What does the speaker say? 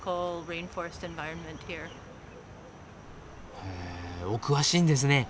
へえお詳しいんですね！